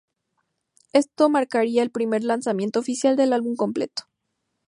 Esto marcaría el primer lanzamiento oficial del álbum completo.